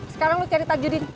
sekarang lo cari tanjurin